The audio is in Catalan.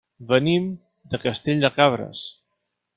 Venim de Castell de Cabres.